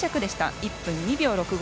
１分２秒６５。